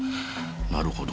なるほど。